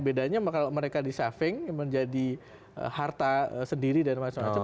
bedanya kalau mereka disaving menjadi harta sendiri dan macam macam